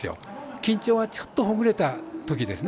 緊張がちょっとほぐれたときですね。